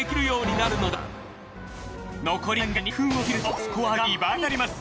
残り時間が２分を切るとスコアが２倍になります。